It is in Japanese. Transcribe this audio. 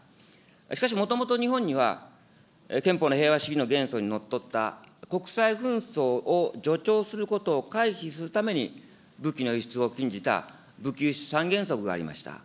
しかしもともと日本には、憲法の平和主義の原則にのっとった、国際紛争を助長することを回避するために武器の輸出を禁じた武器輸出三原則がありました。